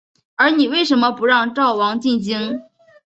而你为甚么不让赵王进京？